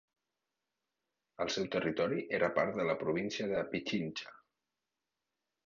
El seu territori era part de la província de Pichincha.